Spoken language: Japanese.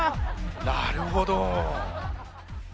なるほど。